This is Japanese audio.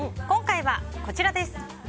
今回は、こちらです。